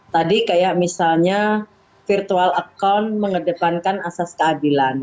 tadi kayak misalnya virtual account mengedepankan asas keadilan